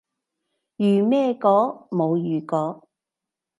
如咩果？冇如果